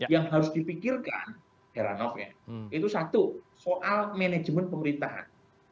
yang harus dipikirkan heranov ya itu satu soal manajemen pemerintahan